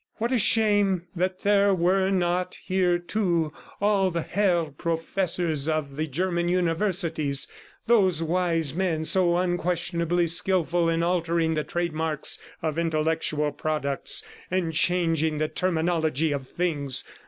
What a shame that there were not here, too, all the Herr Professors of the German universities those wise men so unquestionably skilful in altering the trademarks of intellectual products and changing the terminology of things!